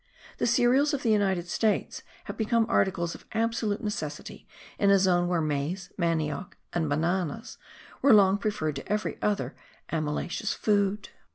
The cereals of the United States have become articles of absolute necessity in a zone where maize, manioc and bananas were long preferred to every other amylaceous food.